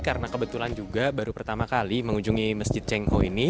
karena kebetulan juga baru pertama kali mengunjungi masjid cengho ini